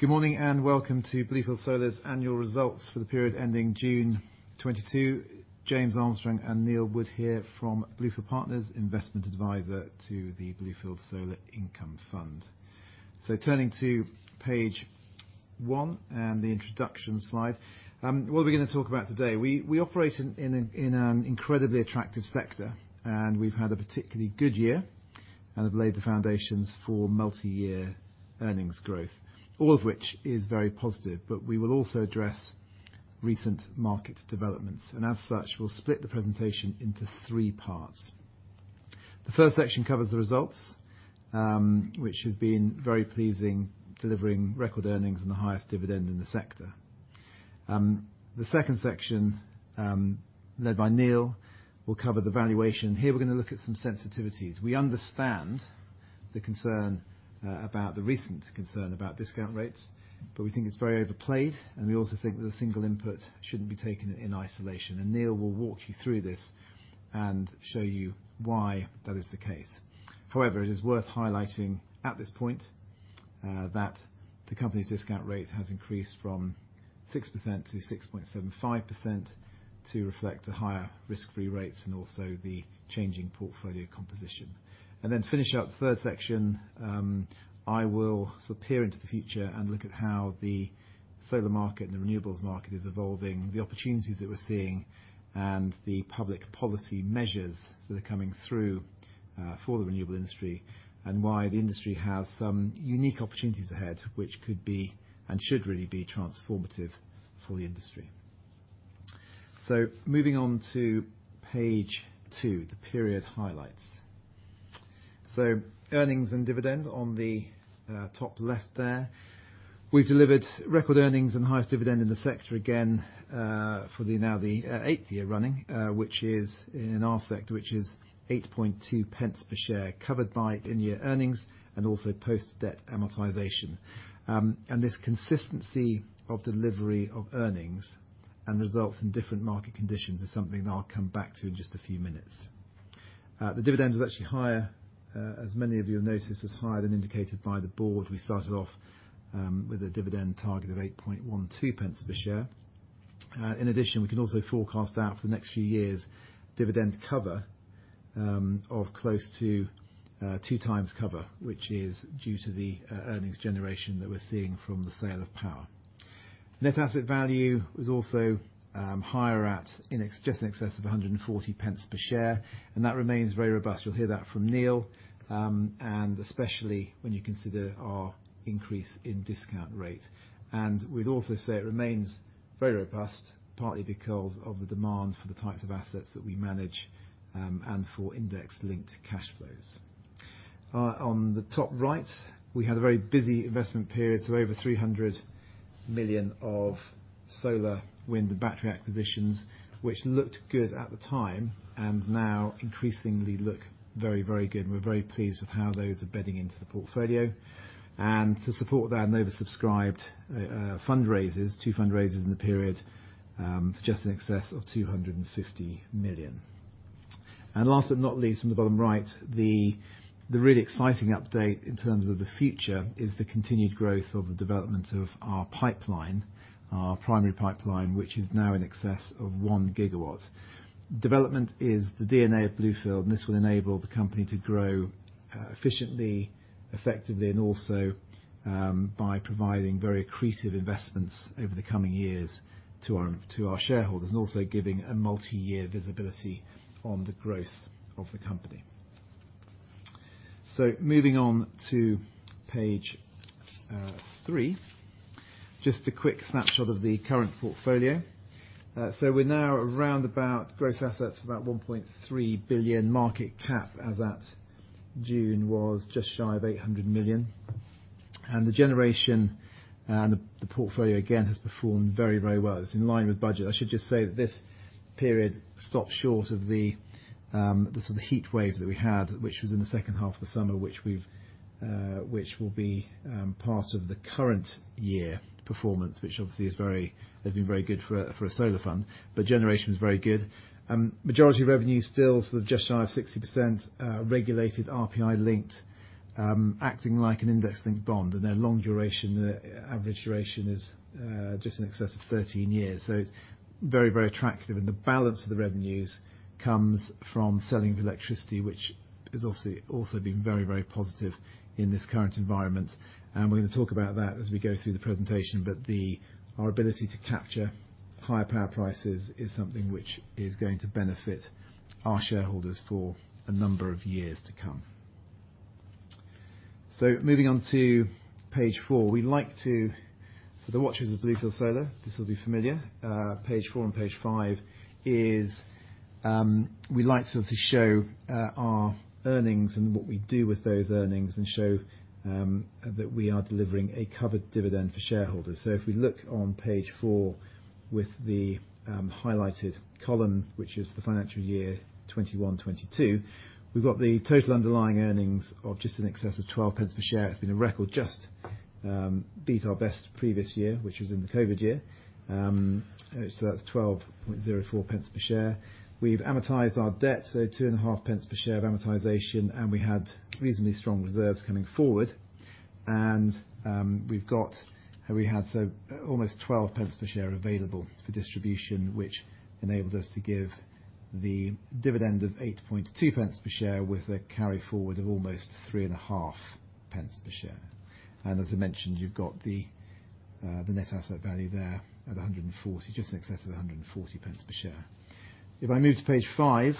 Good morning and welcome to Bluefield Solar's annual results for the period ending June 2022. James Armstrong and Neil Wood here from Bluefield Partners, investment advisor to the Bluefield Solar Income Fund. Turning to page one and the introduction slide, what are we gonna talk about today? We operate in an incredibly attractive sector, and we've had a particularly good year and have laid the foundations for multi-year earnings growth, all of which is very positive. We will also address recent market developments, and as such, we'll split the presentation into three parts. The first section covers the results, which has been very pleasing, delivering record earnings and the highest dividend in the sector. The second section, led by Neil, will cover the valuation. Here we're gonna look at some sensitivities. We understand the concern about the recent concern about discount rates, but we think it's very overplayed, and we also think that the single input shouldn't be taken in isolation. Neil will walk you through this and show you why that is the case. However, it is worth highlighting at this point that the company's discount rate has increased from 6%-6.75% to reflect the higher risk-free rates and also the changing portfolio composition. Finishing up the third section, I will sort of peer into the future and look at how the solar market and the renewables market is evolving, the opportunities that we're seeing and the public policy measures that are coming through, for the renewable industry, and why the industry has some unique opportunities ahead, which could be and should really be transformative for the industry. Moving on to page two, the period highlights. Earnings and dividends on the top left there. We've delivered record earnings and the highest dividend in the sector again, for the eighth year running, which is in our sector, which is 8.2 pence per share, covered by in-year earnings and also post-debt amortization. This consistency of delivery of earnings and results in different market conditions is something that I'll come back to in just a few minutes. The dividend is actually higher, as many of you have noticed, is higher than indicated by the board. We started off with a dividend target of 8.12 pence per share. In addition, we can also forecast out for the next few years dividend cover of close to 2x cover, which is due to the earnings generation that we're seeing from the sale of power. Net asset value was also higher at just in excess of 140 pence per share, and that remains very robust. You'll hear that from Neil. Especially when you consider our increase in discount rate. We'd also say it remains very robust, partly because of the demand for the types of assets that we manage, and for index-linked cash flows. On the top right, we had a very busy investment period, so over 300 million of solar, wind, and battery acquisitions, which looked good at the time and now increasingly look very, very good. We're very pleased with how those are bedding into the portfolio. To support that, an oversubscribed fundraise, two fundraises in the period, for just in excess of 250 million. Last but not least, in the bottom right, the really exciting update in terms of the future is the continued growth of the development of our pipeline, our primary pipeline, which is now in excess of 1 gigawatt. Development is the DNA of Bluefield, and this will enable the company to grow efficiently, effectively, and also by providing very accretive investments over the coming years to our shareholders and also giving a multi-year visibility on the growth of the company. Moving on to page three. Just a quick snapshot of the current portfolio. We're now around about gross assets of about 1.3 billion. Market cap, as at June, was just shy of 800 million. The generation and the portfolio again has performed very well. It's in line with budget. I should just say that this period stopped short of the sort of heat wave that we had, which was in the second half of the summer, which will be part of the current year performance, which obviously has been very good for a solar fund. Generation is very good. Majority of revenue is still sort of just shy of 60%, regulated RPI-linked, acting like an index-linked bond. Their long duration, the average duration is just in excess of 13 years. It's very, very attractive. The balance of the revenues comes from selling of electricity, which has obviously also been very, very positive in this current environment. We're gonna talk about that as we go through the presentation. Our ability to capture higher power prices is something which is going to benefit our shareholders for a number of years to come. Moving on to page four. We'd like to for the watchers of Bluefield Solar, this will be familiar. Page four and page five is we like to sort of show our earnings and what we do with those earnings and show that we are delivering a covered dividend for shareholders. If we look on page four with the highlighted column, which is the financial year 2021/2022, we've got the total underlying earnings of just in excess of 12 pence per share. It's been a record just beat our best previous year, which was in the COVID year. That's 12.04 pence per share. We've amortized our debt, so 2.5 pence per share of amortization, and we had reasonably strong reserves coming forward. We had almost 12 pence per share available for distribution, which enabled us to give the dividend of 8.2 pence per share with a carry-forward of almost 3.5 pence per share. As I mentioned, you've got the net asset value there at 140, just in excess of 140 pence per share. If I move to page five,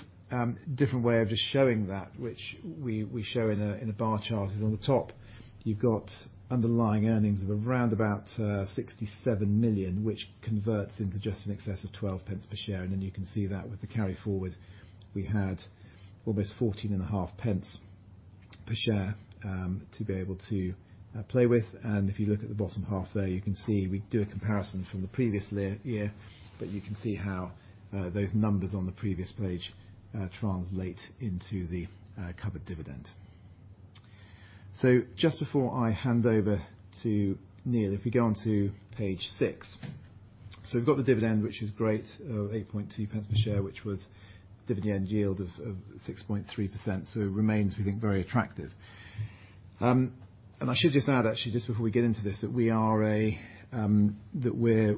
different way of just showing that, which we show in a bar chart on the top. You've got underlying earnings of around about 67 million, which converts into just in excess of 12 pence per share. Then you can see that with the carry forward, we had almost 0.145 per share to be able to play with. If you look at the bottom half there, you can see we do a comparison from the previous last year, but you can see how those numbers on the previous page translate into the covered dividend. Just before I hand over to Neil, if we go on to page six. We've got the dividend, which is great, 0.082 per share, which was dividend yield of 6.3%. It remains, we think, very attractive. I should just add, actually, just before we get into this, that we are a... That we're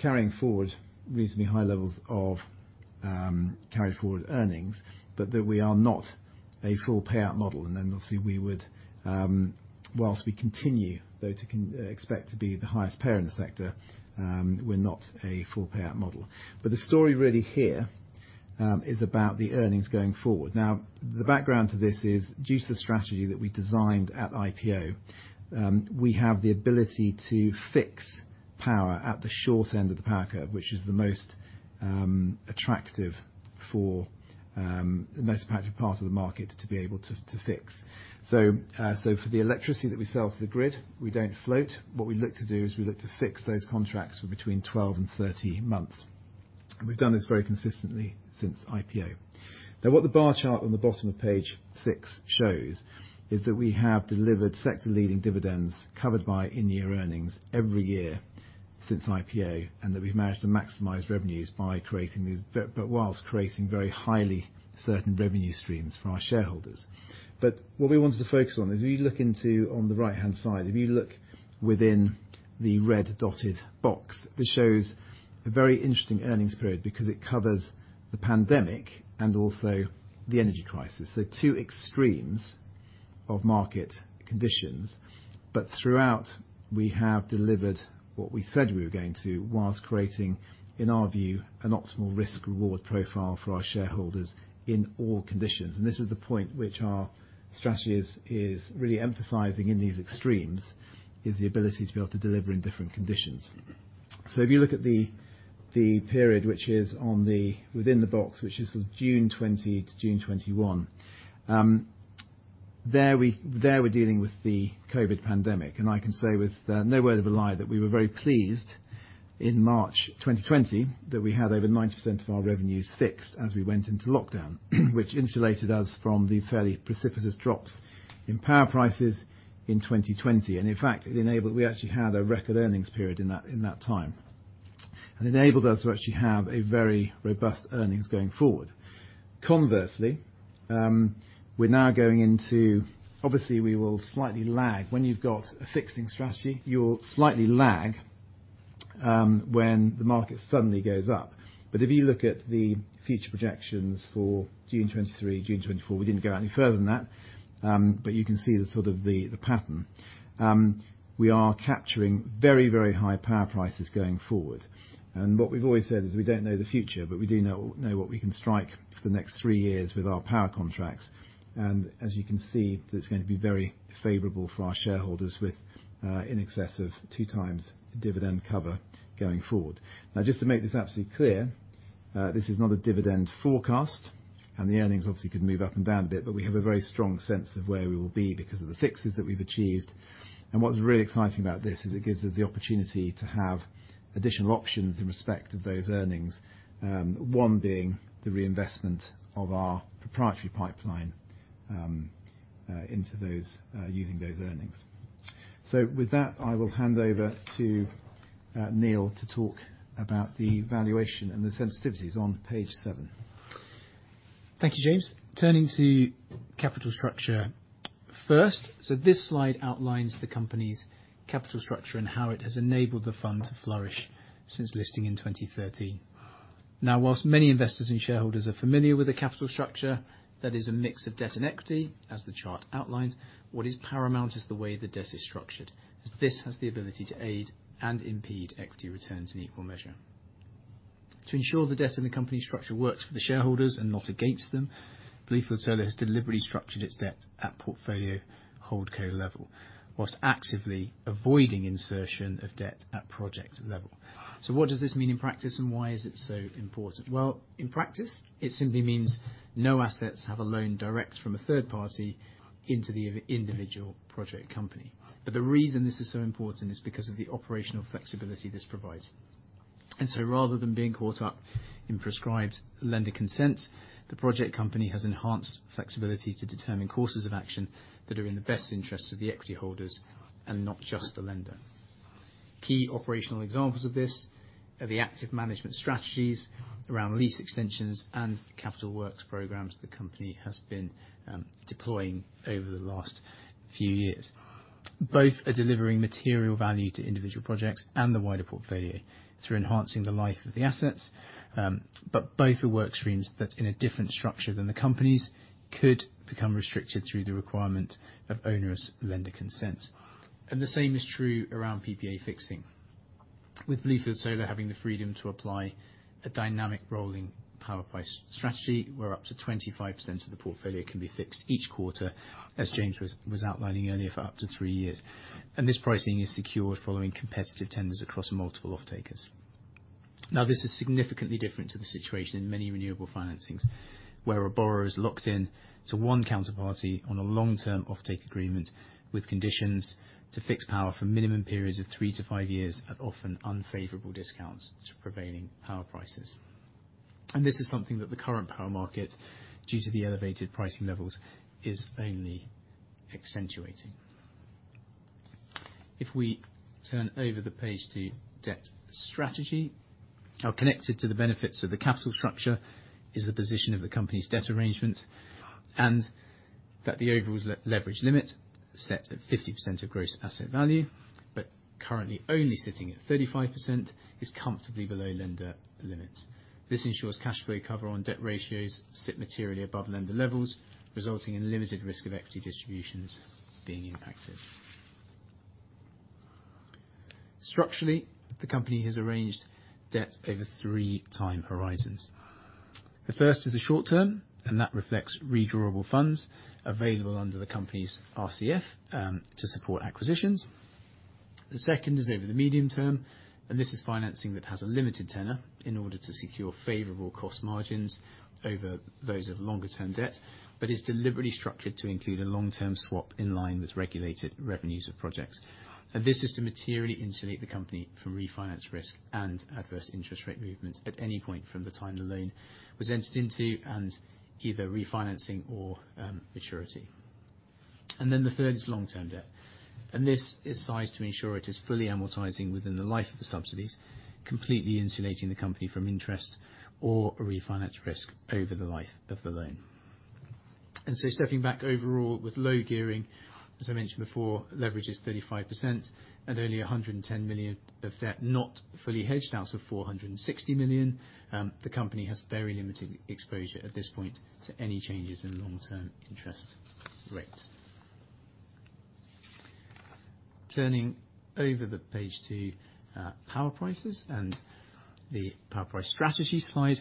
carrying forward reasonably high levels of carry-forward earnings, but that we are not a full payout model. Then obviously we would, whilst we continue though to expect to be the highest payer in the sector, we're not a full payout model. The story really here is about the earnings going forward. Now, the background to this is due to the strategy that we designed at IPO, we have the ability to fix power at the short end of the power curve, which is the most attractive for the most attractive part of the market to be able to fix. For the electricity that we sell to the grid, we don't float. What we look to do is we look to fix those contracts for between 12 and 30 months, and we've done this very consistently since IPO. Now, what the bar chart on the bottom of page 6 shows is that we have delivered sector-leading dividends covered by in-year earnings every year since IPO, and that we've managed to maximize revenues whilst creating very highly certain revenue streams for our shareholders. What we wanted to focus on is if you look into, on the right-hand side, if you look within the red dotted box, this shows a very interesting earnings period because it covers the pandemic and also the energy crisis. Two extremes of market conditions. Throughout, we have delivered what we said we were going to, whilst creating, in our view, an optimal risk-reward profile for our shareholders in all conditions. This is the point which our strategy is really emphasizing in these extremes, is the ability to be able to deliver in different conditions. If you look at the period which is within the box, which is June 2020 to June 2021, there we were dealing with the COVID pandemic. I can say with no word of a lie that we were very pleased in March 2020 that we had over 90% of our revenues fixed as we went into lockdown, which insulated us from the fairly precipitous drops in power prices in 2020. In fact, it enabled. We actually had a record earnings period in that time. It enabled us to actually have a very robust earnings going forward. Conversely, obviously, we will slightly lag. When you've got a fixing strategy, you'll slightly lag when the market suddenly goes up. If you look at the future projections for June 2023, June 2024, we didn't go out any further than that, but you can see the sort of pattern. We are capturing very, very high power prices going forward. What we've always said is we don't know the future, but we do know what we can strike for the next three years with our power contracts. As you can see, that's going to be very favorable for our shareholders with in excess of two times dividend cover going forward. Now, just to make this absolutely clear, this is not a dividend forecast, and the earnings obviously could move up and down a bit, but we have a very strong sense of where we will be because of the fixes that we've achieved. What's really exciting about this is it gives us the opportunity to have additional options in respect of those earnings. One being the reinvestment of our proprietary pipeline into those using those earnings. With that, I will hand over to Neil to talk about the valuation and the sensitivities on page seven. Thank you, James. Turning to capital structure first. This slide outlines the company's capital structure and how it has enabled the fund to flourish since listing in 2013. Now, while many investors and shareholders are familiar with the capital structure, that is a mix of debt and equity, as the chart outlines, what is paramount is the way the debt is structured, as this has the ability to aid and impede equity returns in equal measure. To ensure the debt in the company structure works for the shareholders and not against them, Bluefield Solar has deliberately structured its debt at portfolio holdco level, while actively avoiding insertion of debt at project level. What does this mean in practice, and why is it so important? Well, in practice, it simply means no assets have a loan direct from a third party into the individual project company. The reason this is so important is because of the operational flexibility this provide Rather than being caught up in prescribed lender consents, the project company has enhanced flexibility to determine courses of action that are in the best interests of the equity holders and not just the lender. Key operational examples of this are the active management strategies around lease extensions and capital works programs the company has been deploying over the last few years. Both are delivering material value to individual projects and the wider portfolio through enhancing the life of the assets. Both are work streams that in a different structure than the companies could become restricted through the requirement of onerous lender consents. The same is true around PPA fixing, with Bluefield Solar having the freedom to apply a dynamic rolling power price strategy where up to 25% of the portfolio can be fixed each quarter, as James was outlining earlier, for up to three years. This pricing is secured following competitive tenders across multiple off-takers. Now, this is significantly different to the situation in many renewable financings where a borrower is locked in to one counterparty on a long-term off-take agreement, with conditions to fix power for minimum periods of three to five years at often unfavorable discounts to prevailing power prices. This is something that the current power market, due to the elevated pricing levels, is only accentuating. If we turn over the page to debt strategy. Now connected to the benefits of the capital structure is the position of the company's debt arrangements, and that the overall leverage limit set at 50% of gross asset value, but currently only sitting at 35%, is comfortably below lender limits. This ensures cash flow cover on debt ratios sit materially above lender levels, resulting in limited risk of equity distributions being impacted. Structurally, the company has arranged debt over three time horizons. The first is the short term, and that reflects redrawable funds available under the company's RCF to support acquisitions. The second is over the medium term, and this is financing that has a limited tenor in order to secure favorable cost margins over those of longer-term debt, but is deliberately structured to include a long-term swap in line with regulated revenues of projects. This is to materially insulate the company from refinance risk and adverse interest rate movements at any point from the time the loan was entered into and either refinancing or maturity. Then the third is long-term debt, and this is sized to ensure it is fully amortizing within the life of the subsidies, completely insulating the company from interest or refinance risk over the life of the loan. Stepping back overall with low gearing, as I mentioned before, leverage is 35% and only 110 million of debt not fully hedged out of 460 million. The company has very limited exposure at this point to any changes in long-term interest rates. Turning over the page to power prices and the power price strategy slide.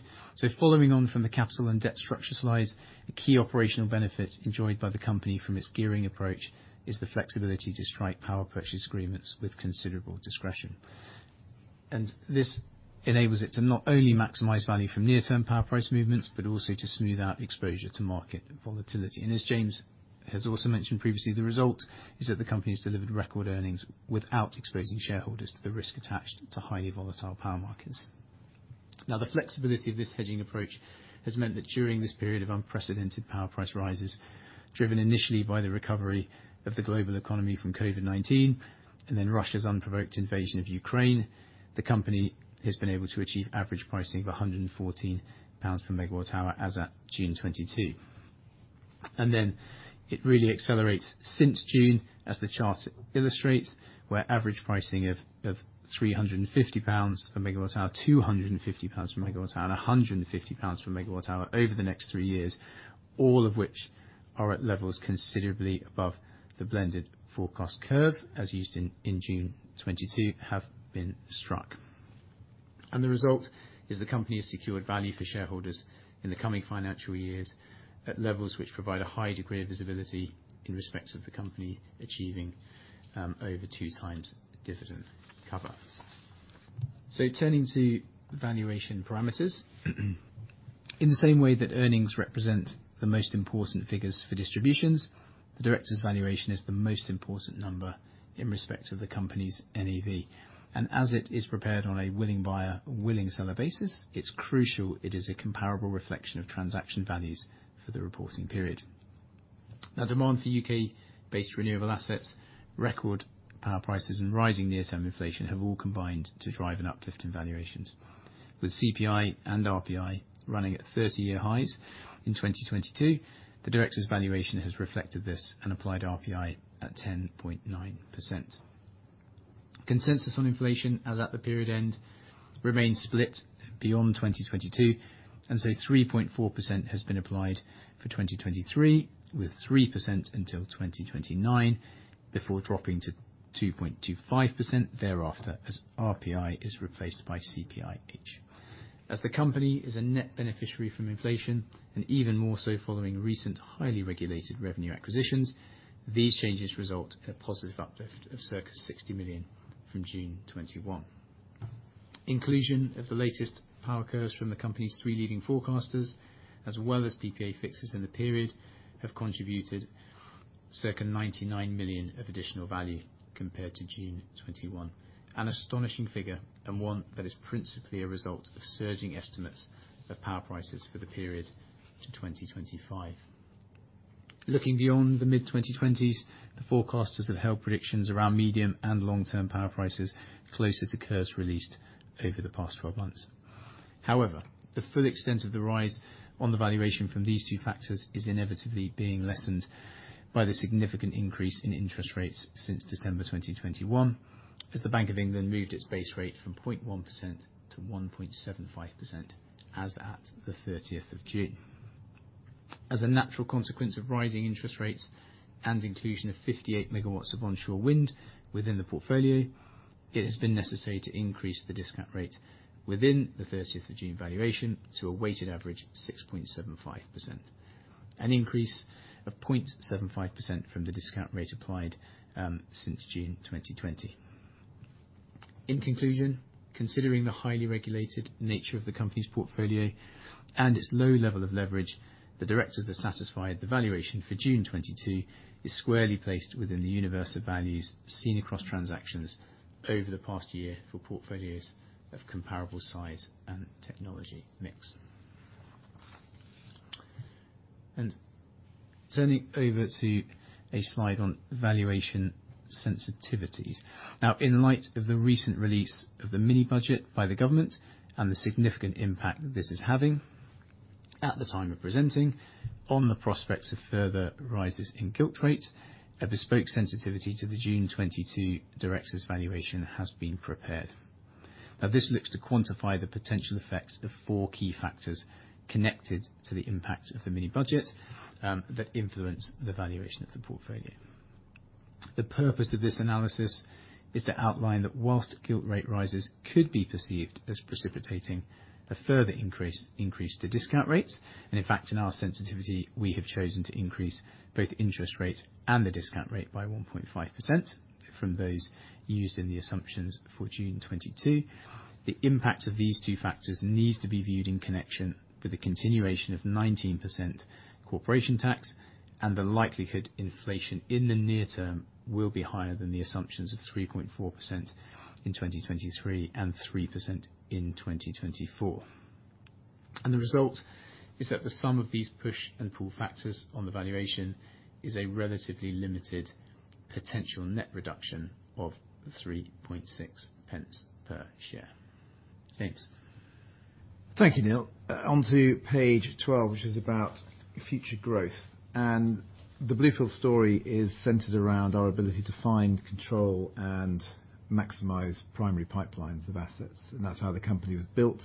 Following on from the capital and debt structure slides, a key operational benefit enjoyed by the company from its gearing approach is the flexibility to strike power purchase agreements with considerable discretion. This enables it to not only maximize value from near-term power price movements, but also to smooth out exposure to market volatility. As James has also mentioned previously, the result is that the company's delivered record earnings without exposing shareholders to the risk attached to highly volatile power markets. Now, the flexibility of this hedging approach has meant that during this period of unprecedented power price rises, driven initially by the recovery of the global economy from COVID-19 and then Russia's unprovoked invasion of Ukraine, the company has been able to achieve average pricing of 114 pounds per MWh as at June 2022. It really accelerates since June, as the chart illustrates, where average pricing of 350 pounds per megawatt hour, 250 pounds per MWh, and GBP 150 per MWh over the next 3 years, all of which are at levels considerably above the blended forecast curve as used in June 2022, have been struck. The result is the company has secured value for shareholders in the coming financial years at levels which provide a high degree of visibility in respect of the company achieving over 2x dividend cover. Turning to valuation parameters. In the same way that earnings represent the most important figures for distributions, the director's valuation is the most important number in respect of the company's NAV. As it is prepared on a willing buyer, willing seller basis, it's crucial it is a comparable reflection of transaction values for the reporting period. Now, demand for UK-based renewable assets, record power prices, and rising near-term inflation have all combined to drive an uplift in valuations. With CPI and RPI running at 30-year highs in 2022, the director's valuation has reflected this and applied RPI at 10.9%. Consensus on inflation as at the period end remains split beyond 2022, and so 3.4% has been applied for 2023, with 3% until 2029, before dropping to 2.25% thereafter as RPI is replaced by CPIH. As the company is a net beneficiary from inflation, and even more so following recent highly regulated revenue acquisitions, these changes result in a positive uplift of circa 60 million from June 2021. Inclusion of the latest power curves from the company's three leading forecasters, as well as PPA fixes in the period, have contributed circa 99 million of additional value compared to June 2021. An astonishing figure, and one that is principally a result of surging estimates of power prices for the period to 2025. Looking beyond the mid-2020s, the forecasters have held predictions around medium and long-term power prices closer to curves released over the past 12 months. However, the full extent of the rise on the valuation from these two factors is inevitably being lessened by the significant increase in interest rates since December 2021, as the Bank of England moved its base rate from 0.1%-1.75%, as at the June 30th. As a natural consequence of rising interest rates and inclusion of 58 megawatts of onshore wind within the portfolio, it has been necessary to increase the discount rate within the June 30th valuation to a weighted average 6.75%. An increase of 0.75% from the discount rate applied since June 2020. In conclusion, considering the highly regulated nature of the company's portfolio and its low level of leverage, the directors are satisfied the valuation for June 2022 is squarely placed within the universe of values seen across transactions over the past year for portfolios of comparable size and technology mix. Turning over to a slide on valuation sensitivities. Now, in light of the recent release of the mini budget by the government and the significant impact that this is having, at the time of presenting, on the prospects of further rises in gilt rates, a bespoke sensitivity to the June 2022 directors valuation has been prepared. Now, this looks to quantify the potential effects of four key factors connected to the impact of the mini budget, that influence the valuation of the portfolio. The purpose of this analysis is to outline that while gilt rate rises could be perceived as precipitating a further increase to discount rates, and in fact, in our sensitivity we have chosen to increase both interest rates and the discount rate by 1.5% from those used in the assumptions for June 2022. The impact of these two factors needs to be viewed in connection with the continuation of 19% corporation tax and the likelihood inflation in the near term will be higher than the assumptions of 3.4% in 2023 and 3% in 2024. The result is that the sum of these push and pull factors on the valuation is a relatively limited potential net reduction of 3.6 pence per share. James. Thank you, Neil. On to page 12, which is about future growth. The Bluefield story is centered around our ability to find, control, and maximize primary pipelines of assets. That's how the company was built,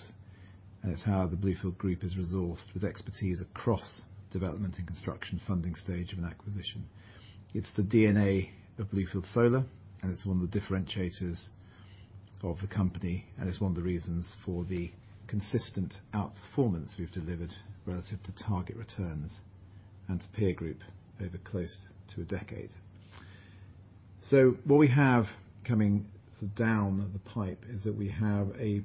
and it's how the Bluefield group is resourced with expertise across development and construction funding stage of an acquisition. It's the DNA of Bluefield Solar, and it's one of the differentiators of the company, and it's one of the reasons for the consistent outperformance we've delivered relative to target returns and to peer group over close to a decade. What we have coming down the pipe is that we have an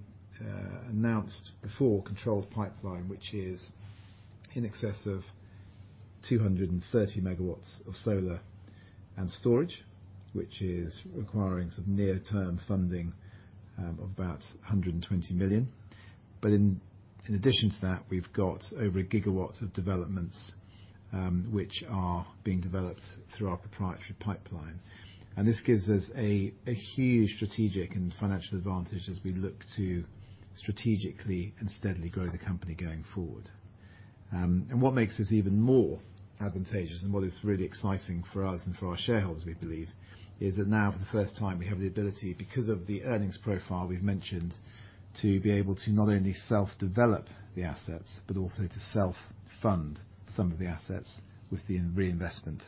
announced forward-controlled pipeline, which is in excess of 230 MW of solar and storage, which is requiring some near-term funding of about 120 million. In addition to that, we've got over 1 GW of developments, which are being developed through our proprietary pipeline. This gives us a huge strategic and financial advantage as we look to strategically and steadily grow the company going forward. What makes this even more advantageous, and what is really exciting for us and for our shareholders, we believe, is that now for the first time, we have the ability, because of the earnings profile we've mentioned, to be able to not only self-develop the assets, but also to self-fund some of the assets with the reinvestment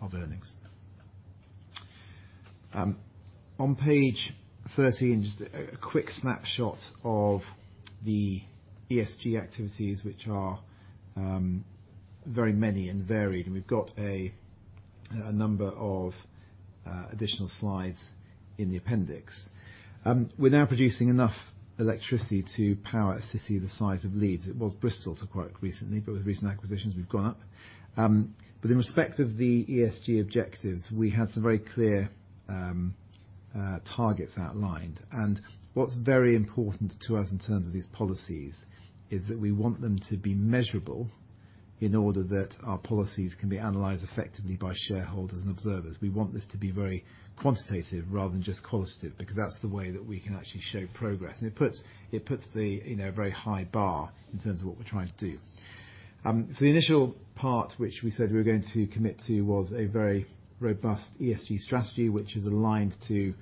of earnings. On page 13, just a quick snapshot of the ESG activities, which are very many and varied. We've got a number of additional slides in the appendix. We're now producing enough electricity to power a city the size of Leeds. It was Bristol till quite recently, but with recent acquisitions we've gone up. In respect of the ESG objectives, we had some very clear targets outlined. What's very important to us in terms of these policies is that we want them to be measurable in order that our policies can be analyzed effectively by shareholders and observers. We want this to be very quantitative rather than just qualitative, because that's the way that we can actually show progress. It puts the, you know, a very high bar in terms of what we're trying to do. For the initial part, which we said we were going to commit to, was a very robust ESG strategy, which is aligned to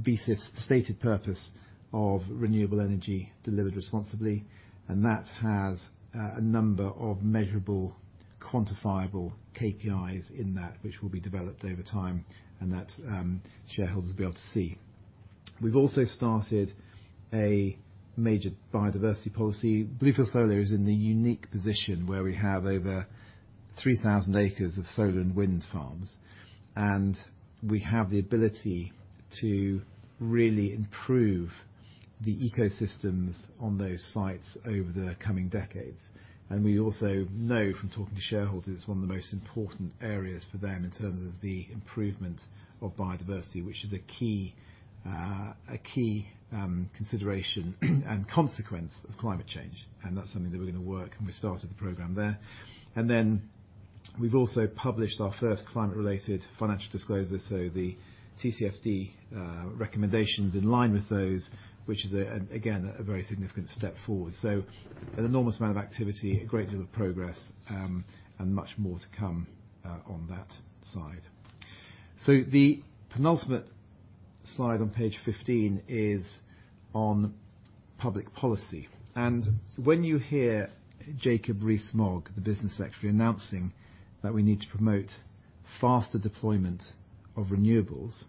BSIF's stated purpose of renewable energy delivered responsibly. That has a number of measurable, quantifiable KPIs in that which will be developed over time and that, shareholders will be able to see. We've also started a major biodiversity policy. Bluefield Solar is in the unique position where we have over 3,000 acres of solar and wind farms. We have the ability to really improve the ecosystems on those sites over the coming decades. We also know from talking to shareholders, one of the most important areas for them in terms of the improvement of biodiversity, which is a key consideration and consequence of climate change. That's something that we're gonna work, and we started the program there. Then we've also published our first climate-related financial disclosures, so the TCFD recommendations in line with those, which is again a very significant step forward. An enormous amount of activity, a great deal of progress, and much more to come, on that side. The penultimate slide on page 15 is on public policy. When you hear Jacob Rees-Mogg, the Business Secretary, announcing that we need to promote faster deployment of renewables,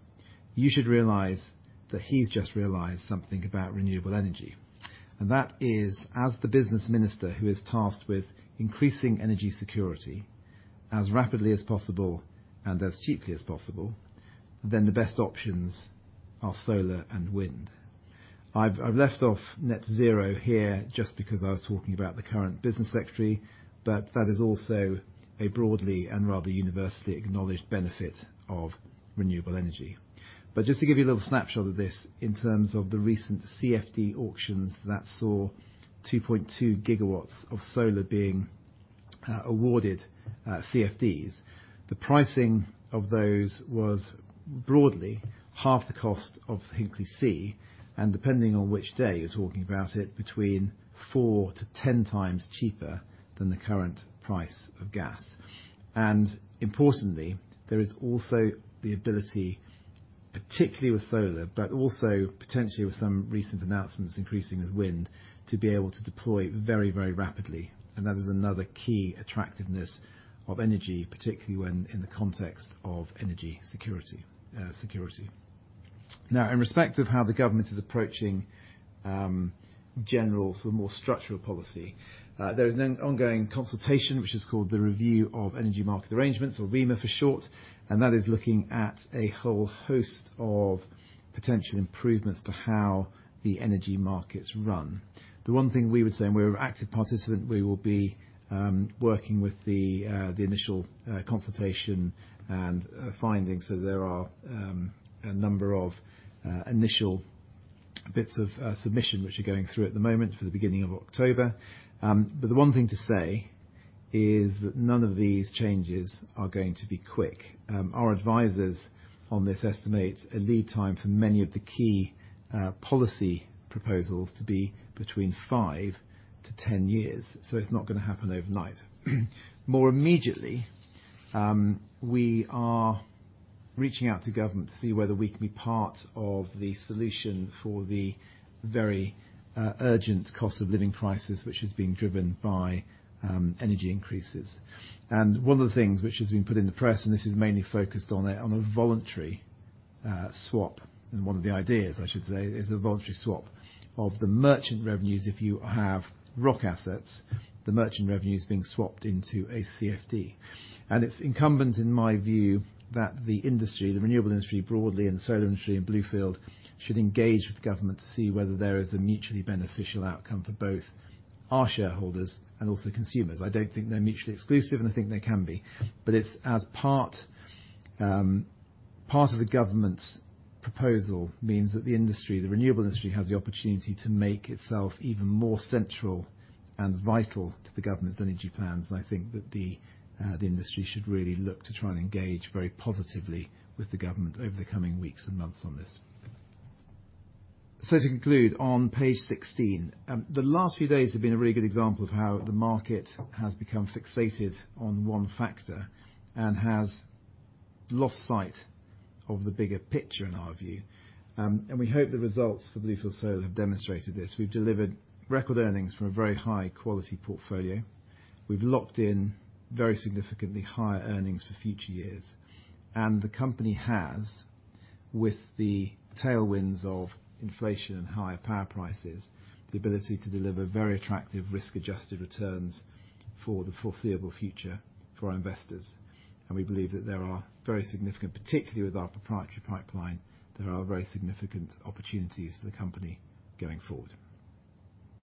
you should realize that he's just realized something about renewable energy. That is, as the Business Minister who is tasked with increasing energy security as rapidly as possible and as cheaply as possible, then the best options are solar and wind. I've left off net zero here just because I was talking about the current Business Secretary, but that is also a broadly and rather universally acknowledged benefit of renewable energy. Just to give you a little snapshot of this in terms of the recent CFD auctions that saw 2.2 GW of solar being awarded CFDs. The pricing of those was broadly half the cost of Hinkley C, and depending on which day you're talking about it, between 4-10 times cheaper than the current price of gas. Importantly, there is also the ability, particularly with solar, but also potentially with some recent announcements increasing with wind, to be able to deploy very, very rapidly. That is another key attractiveness of energy, particularly when in the context of energy security. Now in respect of how the government is approaching, general sort of more structural policy, there is an ongoing consultation which is called the Review of Electricity Market Arrangements or REMA for short, and that is looking at a whole host of potential improvements to how the energy markets run. The one thing we would say, and we're an active participant, we will be working with the initial consultation and findings. There are a number of initial bits of submission which are going through at the moment for the beginning of October. The one thing to say is that none of these changes are going to be quick. Our advisors on this estimate a lead time for many of the key policy proposals to be between 5-10 years, so it's not gonna happen overnight. More immediately, we are reaching out to government to see whether we can be part of the solution for the very urgent cost of living crisis, which is being driven by energy increases. One of the things which has been put in the press, and this is mainly focused on a voluntary swap, and one of the ideas, I should say, is a voluntary swap of the merchant revenues if you have ROC assets, the merchant revenues being swapped into a CFD. It's incumbent in my view that the industry, the renewable industry broadly and the solar industry and Bluefield should engage with government to see whether there is a mutually beneficial outcome for both our shareholders and also consumers. I don't think they're mutually exclusive, and I think they can be. It's as part of the government's proposal means that the industry, the renewable industry, has the opportunity to make itself even more central and vital to the government's energy plans. I think that the industry should really look to try and engage very positively with the government over the coming weeks and months on this. To conclude on page 16. The last few days have been a really good example of how the market has become fixated on one factor and has lost sight of the bigger picture in our view. We hope the results for Bluefield Solar have demonstrated this. We've delivered record earnings from a very high quality portfolio. We've locked in very significantly higher earnings for future years. The company has, with the tailwinds of inflation and higher power prices, the ability to deliver very attractive risk-adjusted returns for the foreseeable future for our investors. We believe that there are very significant, particularly with our proprietary pipeline, there are very significant opportunities for the company going forward.